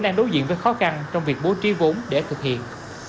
đang đối diện với khó khăn trong việc bố trí vốn để thực hiện